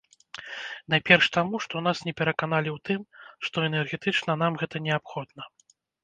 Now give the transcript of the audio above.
Найперш таму, што нас не пераканалі ў тым, што энергетычна нам гэта неабходна.